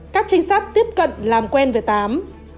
các trinh sát tiếp cận làm quen với tám